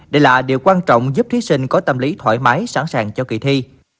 đây là điều quan trọng giúp thí sinh có tâm lý thoải mái sẵn sàng cho kỳ thi